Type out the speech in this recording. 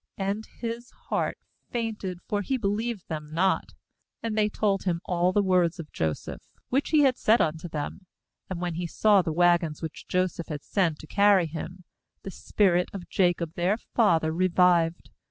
And his heart fainted, for he believed them not. 27And they told him all the words of Joseph, which he had said unto them; and when he saw the wagons which Joseph the spirit of had sent to carry Jacob their father revived.